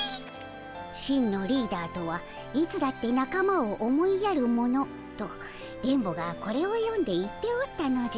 「真のリーダーとはいつだってなかまを思いやる者」と電ボがこれを読んで言っておったのじゃ。